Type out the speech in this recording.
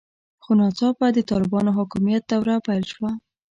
خو ناڅاپه د طالبانو حاکمیت دوره پیل شوه.